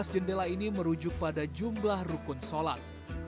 dua belas jendela ini merujuk pada jumlah rukun sholat